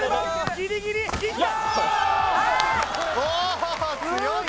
ギリギリいった！